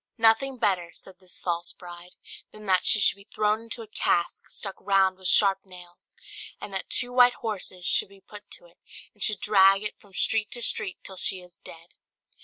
"Nothing better," said this false bride, "than that she should be thrown into a cask stuck round with sharp nails, and that two white horses should be put to it, and should drag it from street to street till she is dead."